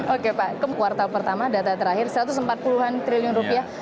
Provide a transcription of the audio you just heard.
oke pak ke kuartal pertama data terakhir satu ratus empat puluh an triliun rupiah